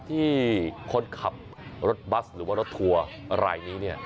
ที่คนขับรถบัสหรือว่ารถทัวร์รายนี้เนี่ย